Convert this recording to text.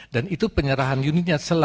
dan itu penyerahan unitnya selambat